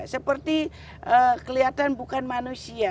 seperti kelihatan bukan manusia